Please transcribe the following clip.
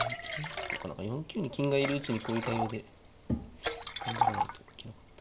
そうか何か４九に金がいるうちにこういう対応で頑張らないといけなかった。